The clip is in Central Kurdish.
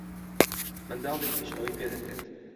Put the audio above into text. منداڵێکیش ئەوەی پێ دەکرێت.